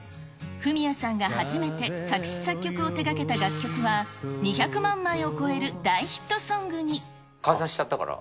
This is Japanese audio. フミヤさんが初めて作詞作曲を手がけた楽曲は２００万枚を超える解散しちゃったから。